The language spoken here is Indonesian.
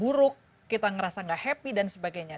buruk kita ngerasa gak happy dan sebagainya